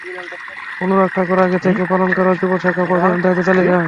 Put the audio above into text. অনুরাগ ঠাকুর আগে থেকে পালন করা যুব শাখা প্রধানের দায়িত্ব চালিয়ে যাবেন।